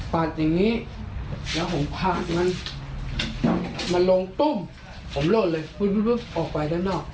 อย่างนี้แล้วผมพาดมันลงตุ้มผมโลดเลยออกไปด้านนอก